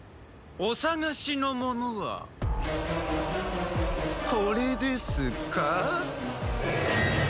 お探しのものはこれですか？